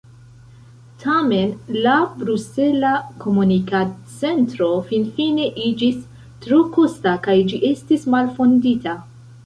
Tamen la Brusela Komunikad-Centro finfine iĝis tro kosta, kaj ĝi estis malfondita.